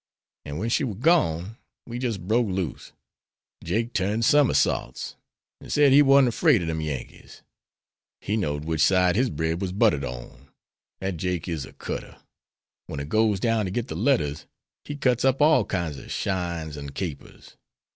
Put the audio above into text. An' when she war gone, we jis' broke loose. Jake turned somersets, and said he warnt 'fraid ob dem Yankees; he know'd which side his brad was buttered on. Dat Jake is a cuter. When he goes down ter git de letters he cuts up all kines ob shines and capers.